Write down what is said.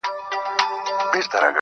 • د اوښکو ته مو لپې لوښي کړې که نه.